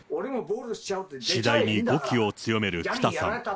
次第に語気を強める北さん。